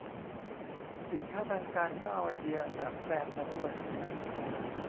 สินค้าทางการก็เอาไอเดียจากแฟนมาด้วย